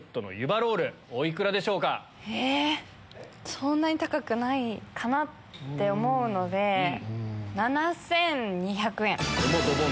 そんなに高くないかなって思うので７２００円。